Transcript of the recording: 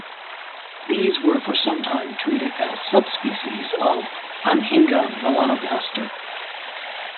These were for sometime treated as subspecies of "Anhinga melanogaster".